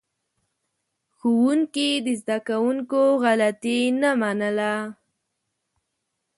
ښوونکي د زده کوونکو غلطي نه منله.